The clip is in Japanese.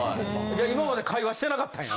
じゃあ今まで会話してなかったんや。